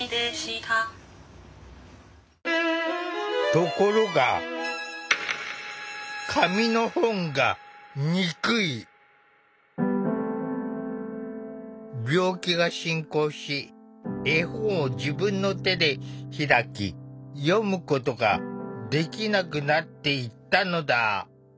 ところが病気が進行し絵本を自分の手で開き読むことができなくなっていったのだ。